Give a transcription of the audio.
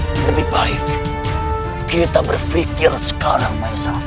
lebih baik kita berpikir sekarang maesha